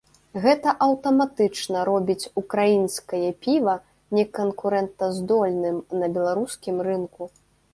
Гэта аўтаматычна робіць ўкраінскае піва неканкурэнтаздольным на беларускім рынку.